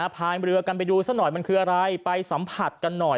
พายเรือกันไปดูซะหน่อยมันคืออะไรไปสัมผัสกันหน่อย